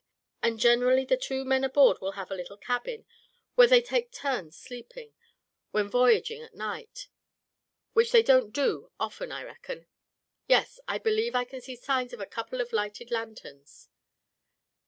And generally the two men aboard will have a little cabin, where they take turns sleeping, when voyaging at night, which they don't often do, I reckon. Yes, I believe I can see signs of a couple of lighted lanterns.